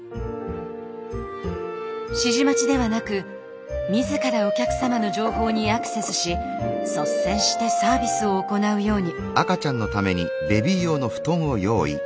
指示待ちではなく自らお客様の情報にアクセスし率先してサービスを行うように。